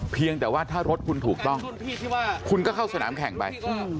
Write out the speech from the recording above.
เพียงแต่ว่าถ้ารถคุณถูกต้องคุณก็เข้าสนามแข่งไป